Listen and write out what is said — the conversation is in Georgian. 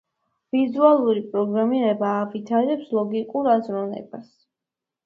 ვიზუალური პროგრამირება ავითარებს ლოგიკურ აზროვნებას.